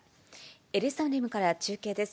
エルサレムから中継です。